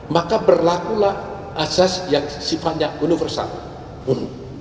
maka berlakulah asas yang sifatnya universal bunuh